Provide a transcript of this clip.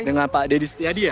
dengan pak deddy supriyadi ya